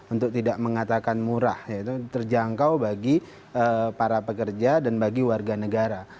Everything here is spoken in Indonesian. untuk tidak mengatakan murah terjangkau bagi para pekerja dan bagi warga negara